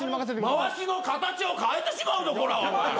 回しの形を変えてしまうぞコラ。